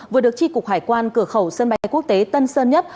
vừa được tri cục hải quan cửa khẩu sân bay quốc tế tân sơn nhất